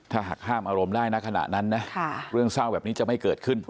ถ้าหากห้ามอารมณ์ได้นะขณะนั้นนะเรื่องเศร้าแบบนี้จะไม่เกิดขึ้น